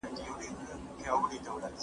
د ماشوم بوتل د تودوخې نه وساتئ.